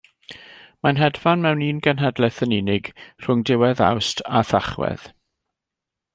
Mae'n hedfan mewn un genhedlaeth yn unig, rhwng diwedd Awst a Thachwedd.